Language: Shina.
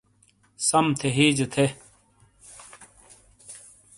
سم تھے ہیجے تھے۔